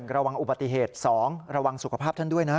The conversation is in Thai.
ระวังอุบัติเหตุ๒ระวังสุขภาพท่านด้วยนะ